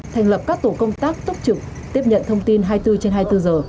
thành lập các tổ công tác túc trực tiếp nhận thông tin hai mươi bốn trên hai mươi bốn giờ